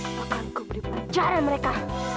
apakah aku boleh pelajari mereka